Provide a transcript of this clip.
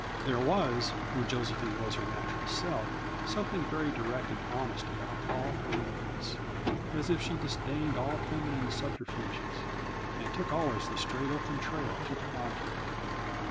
There was, when Josephine was her natural self, something very direct and honest about all her movements, as if she disdained all feminine subterfuges and took always the straight, open trail to her object.